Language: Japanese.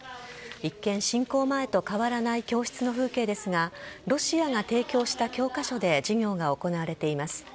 一見、侵攻前と変わらない教室の風景ですがロシアが提供した教科書で授業が行われています。